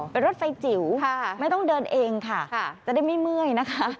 เป็นรถไฟจิ๋วไม่ต้องเดินเองค่ะจะได้ไม่เมื่อยนะคะ